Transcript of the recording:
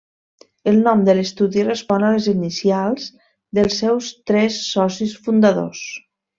El nom de l'estudi respon a les inicials dels seus tres socis fundadors.